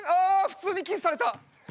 普通にキスされた。